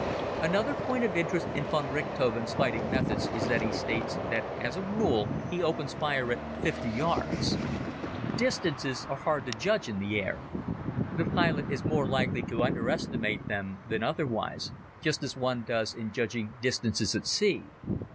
Another point of interest in von Richthofen's fighting methods is that he states, that as a rule, he opens fire at 50 yards. Distances are hard to judge in the air. The pilot is more likely to underestimate them than otherwise, just as one does in judging distances at sea.